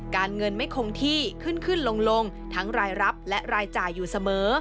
เงินไม่คงที่ขึ้นขึ้นลงทั้งรายรับและรายจ่ายอยู่เสมอ